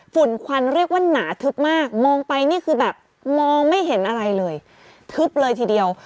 ควันเรียกว่าหนาทึบมากมองไปนี่คือแบบมองไม่เห็นอะไรเลยทึบเลยทีเดียว